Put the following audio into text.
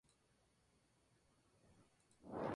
El crecimiento de habitantes ha desarrollado el comercio.